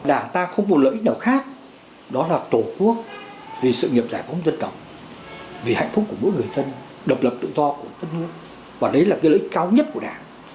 đảng ta không một lợi ích nào khác đó là tổ quốc vì sự nghiệp giải phóng dân tộc vì hạnh phúc của mỗi người dân độc lập tự do của đất nước và đấy là cái lợi cao nhất của đảng